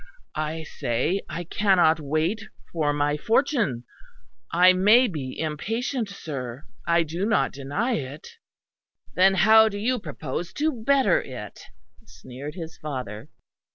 I say I cannot wait for my fortune; I may be impatient, sir I do not deny it." "Then how do you propose to better it?" sneered his father.